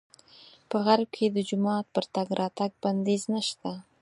په غرب کې د جومات پر تګ راتګ بندیز نه شته.